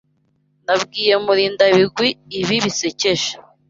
Nabwiye Murindabigwi ibi bisekeje.